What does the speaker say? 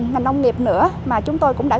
ngành nông nghiệp nữa mà chúng tôi cũng đã